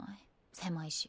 狭いし。